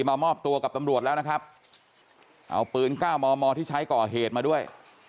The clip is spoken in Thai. มามอบตัวกับตำรวจแล้วนะครับเอาปืนเก้ามอมอที่ใช้ก่อเหตุมาด้วย